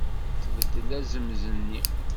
Tbeddel azemz-nni.